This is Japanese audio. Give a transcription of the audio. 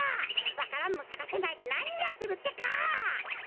わか蘭もさかせないでなにやってるってか！